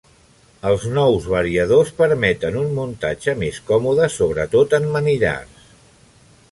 Els nous variadors permeten un muntatge més còmode, sobretot en manillars.